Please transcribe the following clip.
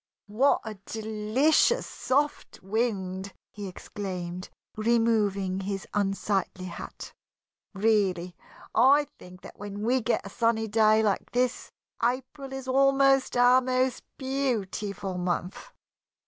"What a delicious soft wind!" he exclaimed, removing his unsightly hat. "Really, I think that when we get a sunny day like this, April is almost our most beautiful month."